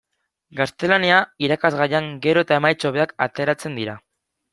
Gaztelania irakasgaian gero eta emaitza hobeak ateratzen dira.